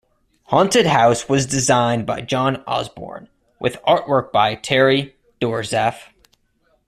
"Haunted House" was designed by John Osborne, with artwork by Terry Doerzaph.